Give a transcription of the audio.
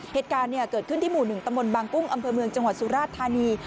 เหตุการณ์เกิดขึ้นที่หมู่๑ตำบลบางกุ้งอำเภอเมืองจังหวัดสุราชธานี